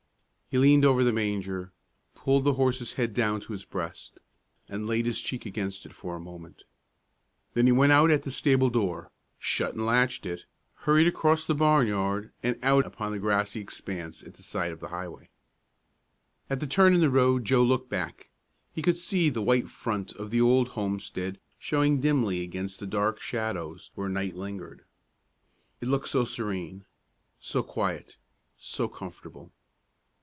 He leaned over the manger, pulled the horse's head down to his breast, and laid his cheek against it for a moment. Then he went out at the stable door, shut and latched it, hurried across the barnyard and out upon the grassy expanse at the side of the highway. At the turn in the road Joe looked back. He could see the white front of the old homestead showing dimly against the dark shadows where night lingered. It looked so serene, so quiet, so comfortable!